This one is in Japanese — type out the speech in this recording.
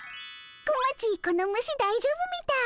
小町この虫だいじょうぶみたい。